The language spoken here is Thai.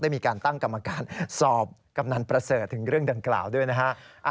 มีการตั้งกรรมการสอบกำนันประเสริฐถึงเรื่องดังกล่าวด้วยนะฮะ